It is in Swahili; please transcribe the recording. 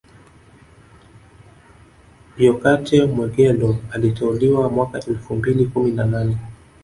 Jokate Mwegelo aliteuliwa mwaka wa elfu mbili kumi na nane